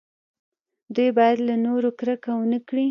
دوی باید له نورو کرکه ونه کړي.